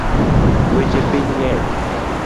Weche piny ng’eny